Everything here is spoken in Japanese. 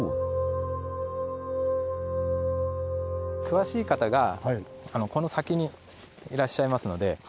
詳しい方がこの先にいらっしゃいますので。